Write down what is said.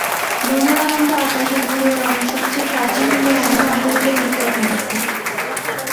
মনের আনন্দে আকাশে ঘুড়ি ওড়ানোর সবচেয়ে প্রাচীন নিদর্শন পাওয়া যায় চৈনিক প্রত্নতত্ত্বে।